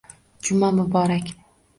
Juma muborak.